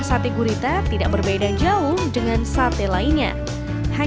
sate gurita bumbu merah